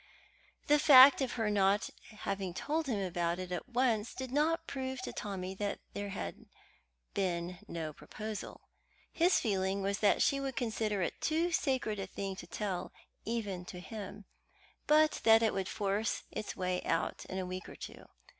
The fact of her not having told him about it at once did not prove to Tommy that there had been no proposal. His feeling was that she would consider it too sacred a thing to tell even to him, but that it would force its way out in a week or two.